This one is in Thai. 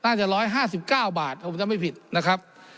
น่าจะ๑๕๙บาทผมจำให้ผิดนะครับ